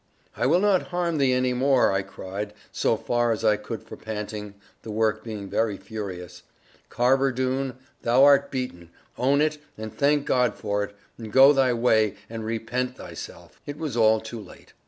] "I will not harm thee any more," I cried, so far as I could for panting, the work being very furious: "Carver Doone, thou art beaten; own it, and thank God for it; and go thy way, and repent thyself." It was all too late.